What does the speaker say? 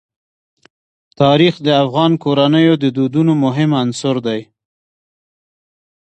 تاریخ د افغان کورنیو د دودونو مهم عنصر دی.